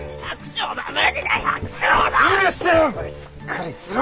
すっかりすろ！